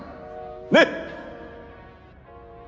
ねっ。